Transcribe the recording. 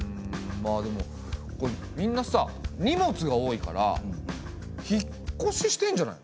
まあでもみんなさ荷物が多いから引っ越ししてんじゃない？